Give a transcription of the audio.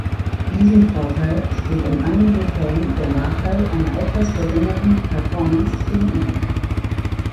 Diesem Vorteil steht in einigen Fällen der Nachteil einer etwas geringeren Performance gegenüber.